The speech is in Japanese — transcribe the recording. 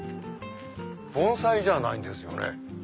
盆栽じゃないんですよね。